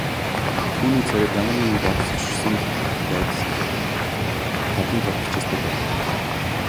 Түүний царайд ямар нэг бодлогоширсон байдал тодын тод бичээстэй байв.